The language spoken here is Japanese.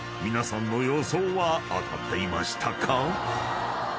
［皆さんの予想は当たっていましたか？］